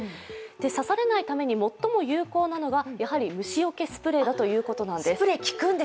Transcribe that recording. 刺されないために最も有効なのが虫よけスプレーということなんです。